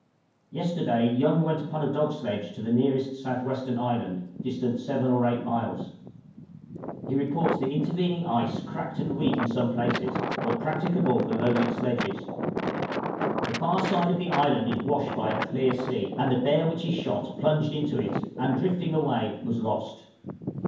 Yesterday Young went upon a dog sledge to the nearest south western island, distant 7 or 8 miles. He reports the intervening ice cracked and weak in some places, but practicable for loaded sledges; the far side of the island is washed by a clear sea, and a bear which he shot plunged into it, and, drifting away, was lost.